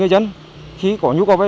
tuy nhiên về lâu dài